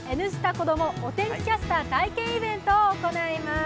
子供お天気キャスター体験イベントを行います。